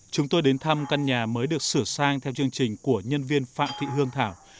chúng tôi đến thăm căn nhà mới được sửa sang theo chương trình của nhân viên phạm thị hương thảo